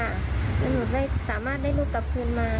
นะเถอะหนูสามารถได้รูปตับคุณมา